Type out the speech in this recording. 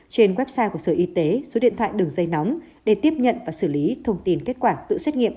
trên website của sở y tế số điện thoại đường dây nóng để tiếp nhận và xử lý thông tin kết quả tự xét nghiệm